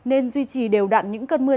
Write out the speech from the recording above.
nên duy trì đều đặn những cơn mưa